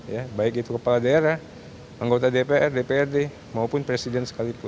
ya baik itu kepala daerah anggota dpr dprd maupun presiden sekalipun